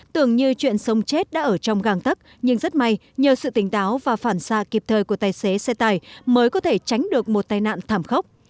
tưởng như chuyện sông chết đã ở trong gàng tắc nhưng rất may nhờ sự tỉnh táo và phản xa kịp thời của tài xế xe tải mới có thể tránh được một tai nạn thảm khốc